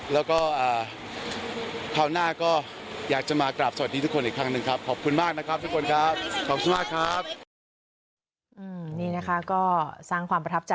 แล้วก็คราวหน้าก็อยากจะมากราบสวัสดีทุกคนอีกครั้งหนึ่งครับ